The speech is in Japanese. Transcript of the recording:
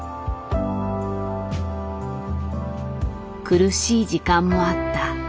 苦しい時間もあった。